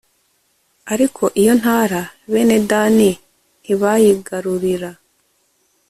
ariko iyo ntara, bene dani ntibayigarurira